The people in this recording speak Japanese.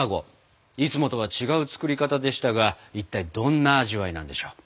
いつもとは違う作り方でしたがいったいどんな味わいなんでしょう。